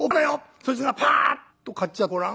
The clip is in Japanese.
そいつがパッと買っちゃってごらん。